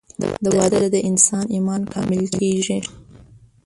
د واده سره د انسان ايمان کامل کيږي